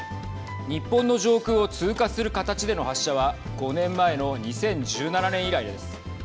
日本の上空を通過する形での発射は５年前の２０１７年以来です。